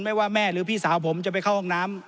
ว่าแม่หรือพี่สาวผมจะไปเข้าห้องน้ำ